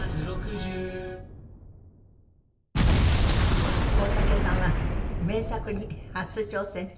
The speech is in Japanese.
今大竹さんは名作に初挑戦中。